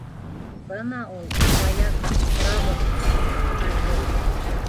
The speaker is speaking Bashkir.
— Бына ул, вояка, ҡарағыҙ! — тине командир.